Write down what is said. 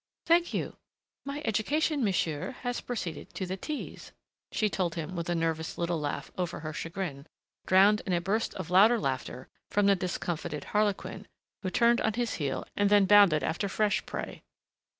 "Thank you.... My education, monsieur, has proceeded to the Ts," she told him with a nervous little laugh over her chagrin, drowned in a burst of louder laughter from the discomfited Harlequin, who turned on his heel and then bounded after fresh prey.